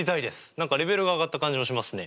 何かレベルが上がったが感じもしますね。